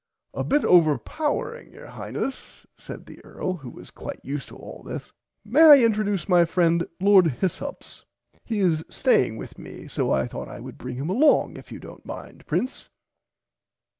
A bit over powering your Highness said the earl who was quite used to all this may I introduce my friend Lord Hyssops he is staying with me so I thought I would bring him along if you dont mind Prince.